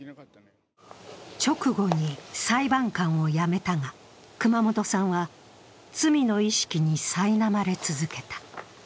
直後に裁判官を辞めたが、熊本さんは罪の意識にさいなまれ続けた。